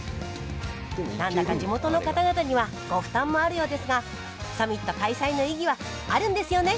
何だか地元の方々にはご負担もあるようですがサミット開催のあるんですよね？